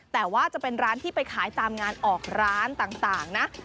แต่ว่าจะเป็นร้านที่ไปขายตามงานออกร้านต่างนะ